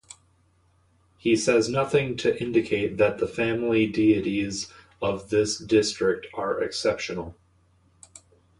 He says nothing to indicate that the family deities of this district are exceptional.